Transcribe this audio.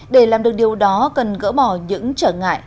để làm được điều đó cần gỡ bỏ những trở ngại